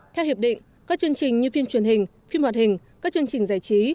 theo hiệp định các chương trình như phim truyền hình phim hoạt hình các chương trình giải trí